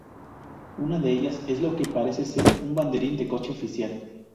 Una de ellas es lo que parece ser un banderín de coche oficial.